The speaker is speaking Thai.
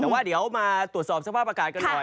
แต่ว่าเดี๋ยวมาตรวจสอบสภาพอากาศกันหน่อย